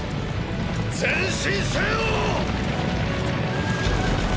前進せよ！！